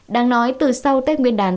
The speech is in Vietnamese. đáng nói từ sau tết nguyên đàn